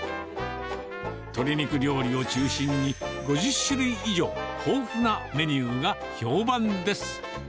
鶏肉料理を中心に、５０種類以上、豊富なメニューが評判です。